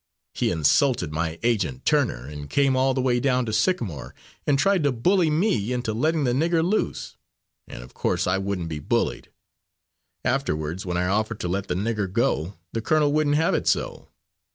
He insulted my agent Turner, and came all the way down to Sycamore and tried to bully me into letting the nigger loose, and of course I wouldn't be bullied. Afterwards, when I offered to let the nigger go, the colonel wouldn't have it so.